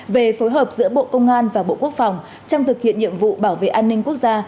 về phối hợp giữa bộ công an và bộ quốc phòng trong thực hiện nhiệm vụ bảo vệ an ninh quốc gia